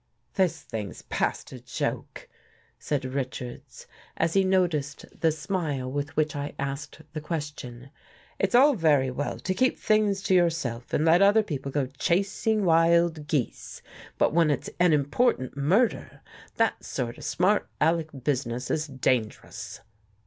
" "This thing's past a joke," said Richards, as he noted the smile with which I asked the question. " It's all very well to keep things to yourself and let other people go chasing wild geese, but when it's an 142 AN ESCAPE important murder, that sort of smart Aleck business is dangerous."